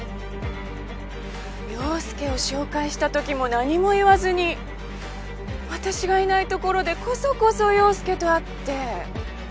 陽佑を紹介した時も何も言わずに私がいないところでこそこそ陽佑と会って。